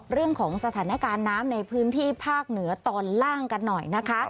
เรื่องของสถานการณ์น้ำในพื้นที่ภาคเหนือตอนล่างกันหน่อยนะคะ